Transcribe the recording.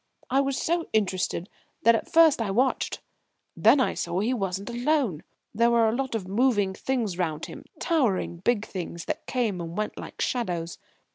I was so interested that at first I watched. Then I saw he wasn't alone. There were a lot of moving things round him, towering big things, that came and went like shadows.